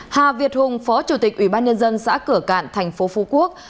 hà việt hùng phó chủ tịch ủy ban nhân dân xã cửa cạn tp phú quốc